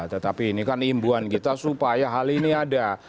tetapi ini kan imbuan kita supaya hal ini ada